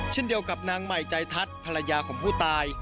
เช่นเดียวกับนางใหม่ใจทัศน์ภรรยาของผู้ตาย